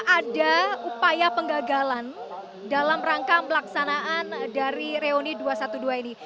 ada upaya penggagalan dalam rangka melaksanakan dari reuni dua ratus dua belas ini